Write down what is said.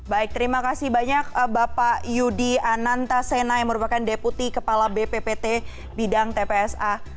baik terima kasih banyak bapak yudi ananta sena yang merupakan deputi kepala bppt bidang tpsa